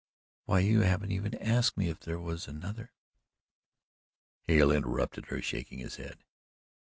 Why, you haven't even asked me if there was another " Hale interrupted her, shaking his head.